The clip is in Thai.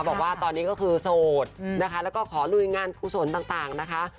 บอกว่าตอนนี้ก็คือโสดนะคะแล้วก็ขอลุยงานกุศลต่างนะคะ